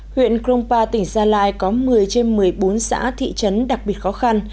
huyện krongpa tỉnh gia lai có một mươi trên một mươi bốn xã thị trấn đặc biệt khó khăn